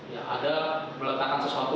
ya ada meletakkan sesuatu